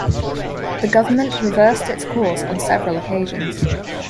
The government reversed its course on several occasions.